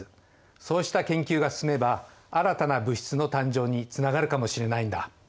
そうした研究が進めば新たな物質の誕生につながるかもしれないんだ。